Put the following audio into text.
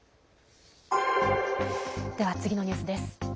では、次のニュースです。